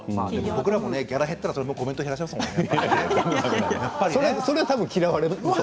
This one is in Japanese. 僕らもギャラ減ったらコメント減らしますもんね。